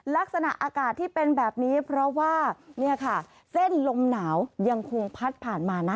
ลักษณะอากาศที่เป็นแบบนี้เพราะว่าเนี่ยค่ะเส้นลมหนาวยังคงพัดผ่านมานะ